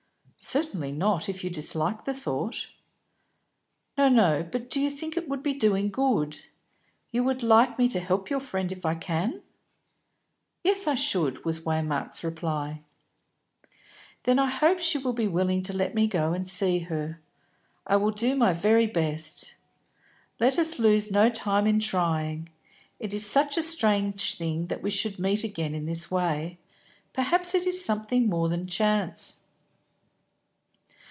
"Certainly not if you dislike the thought." "No, no. But you think it would be doing good? you would like me to help your friend if I can?" "Yes, I should," was Waymark's reply. "Then I hope she will be willing to let me go and see her. I will do my very best. Let us lose no time in trying. It is such a strange thing that we should meet again in this way; perhaps it is something more than chance."